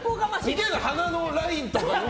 似てる、鼻のラインとかも。